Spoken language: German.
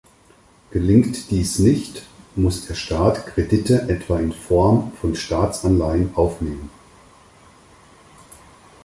Gelingt dies nicht, muss der Staat Kredite etwa in Form von Staatsanleihen aufnehmen.